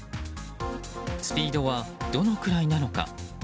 スピードはどのくらいなのか。